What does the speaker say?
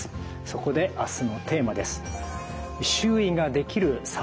そこで明日のテーマです。